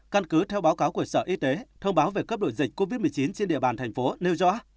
căn cứ theo báo cáo của sở y tế thông báo về cấp độ dịch covid một mươi chín trên địa bàn tp hcm nêu rõ